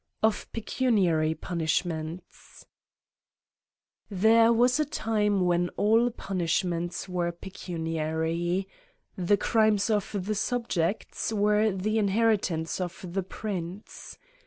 XVIL Of 'pecuniary Punishments, THERE was a time when all punishments were pecuniary. The crimes of the subjects were the inheritance of the prince.